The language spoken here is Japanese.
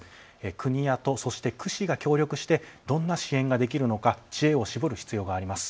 国や都、そして区市が協力してどんな支援ができるのか知恵を絞る必要があります。